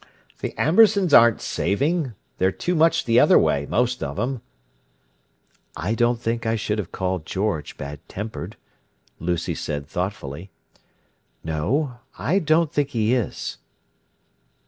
"The Ambersons aren't saving. They're too much the other way, most of them." "I don't think I should have called George bad tempered," Lucy said thoughtfully. "No. I don't think he is."